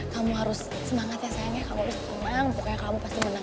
kamu harus semangat ya sayangnya kamu harus semangat